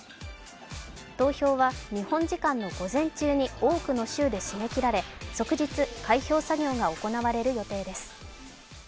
投票は日本時間の午前中に多くの州で締め切られ即日、開票作業が行われる予定です